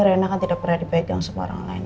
arena kan tidak pernah dipegang sama orang lain